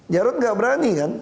jarod gak berani kan